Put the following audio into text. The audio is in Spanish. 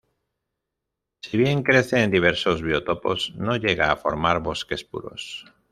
Si bien crece en diversos biotopos, no llega a formar bosques puros.